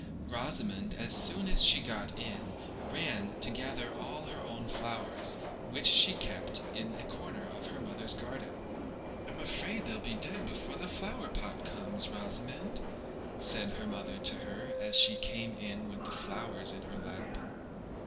Rosamond as soon as she got in ran to gather all her own flowers, which she kept in a corner of her mother's garden. 'I am afraid they'll be dead before the flower pot comes, Rosamond,' said her mother to her, as she came in with the flowers in her lap.